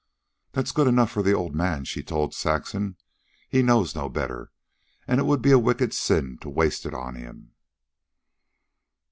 "'Tis good enough for the old man," she told Saxon. "He knows no better, and it would be a wicked sin to waste it on him."